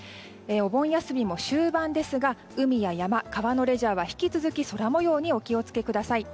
お盆休みも終盤ですが海や川、山のレジャーは引き続き空模様にご注意ください。